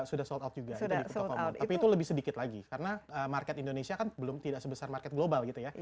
sudahullen tapi itu lebih sedikit lagi karena market indonesia kan belum tidak sebesar good